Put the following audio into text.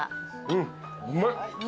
うんうまい。